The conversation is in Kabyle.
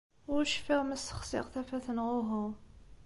Ur cfiɣ ma ssexsiɣ tafat neɣ uhu.